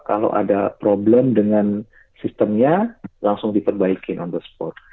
kalau ada problem dengan sistemnya langsung diperbaikin on the sport